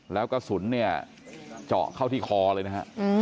แล้วกระสุนเนี่ยเจาะเข้าที่คอเลยนะฮะ